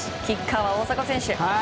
キッカーは大迫選手。